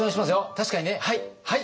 確かにねはい。